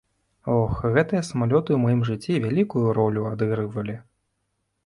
Ох, гэтыя самалёты ў маім жыцці вялікую ролю адыгрывалі.